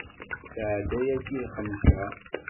Tɛedda yagi i lxemsa.